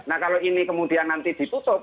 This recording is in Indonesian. nah kalau ini kemudian nanti ditutup